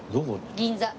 銀座。